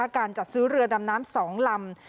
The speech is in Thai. การจัดซื้อเรือดำน้ำ๒ลำ